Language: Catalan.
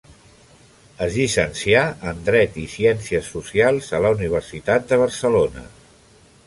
Es llicencià en Dret i Ciències Socials a la Universitat de Barcelona.